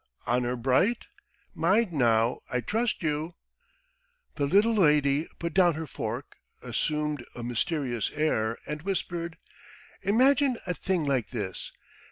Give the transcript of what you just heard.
"Honour bright? Mind now! I trust you. ..." The little lady put down her fork, assumed a mysterious air, and whispered: "Imagine a thing like this.